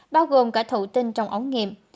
bao gồm cả thụ tinh trong ống nghiệm